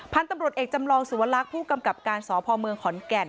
พันธุ์ตำรวจเอกจำลองสุวรรคผู้กำกับการสพเมืองขอนแก่น